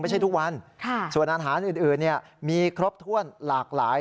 ทุกวันส่วนอาหารอื่นมีครบถ้วนหลากหลาย